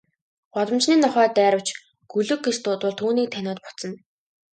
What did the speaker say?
Гудамжны нохой дайравч, гөлөг гэж дуудвал түүнийг таниад буцна.